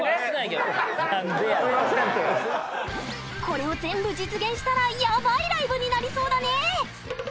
これを全部実現したらやばいライブになりそうだね